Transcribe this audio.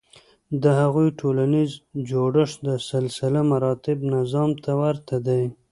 د هغوی ټولنیز جوړښت د سلسلهمراتب نظام ته ورته دی.